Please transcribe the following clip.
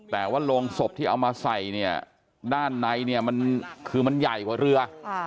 แต่ว่าโรงศพที่เอามาใส่ด้านในคือมันใหญ่กว่าเรือ